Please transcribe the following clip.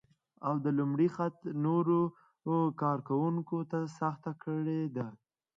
او د لومړي خط نورو کار کونکو ته سخته کړې ده